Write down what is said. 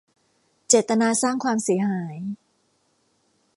เจตนาสร้างความเสียหาย